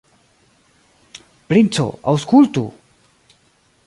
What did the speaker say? Princo, aŭskultu!